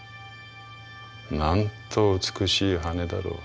なんと美しい羽だろう」。